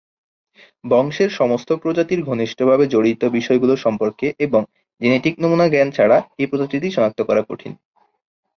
বংশের সমস্ত প্রজাতির ঘনিষ্ঠভাবে জড়িত বিষয়গুলো সম্পর্কে এবং জেনেটিক নমুনা জ্ঞান ছাড়া এ প্রজাতিটি সনাক্ত করা কঠিন।